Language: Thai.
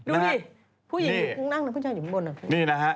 มีผู้ชายอยู่ข้างบน